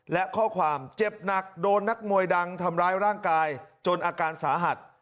และข้อความเจ็บหนักโดนนักมวยดังทำร้ายร่างกายจนอาการสาหัส